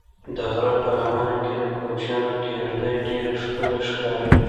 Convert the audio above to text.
د غره په لمنه کې د کوچیانو کيږدۍ ډېرې ښکلي ښکاري.